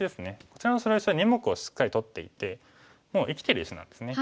こちらの白石は２目をしっかり取っていてもう生きてる石なんですね。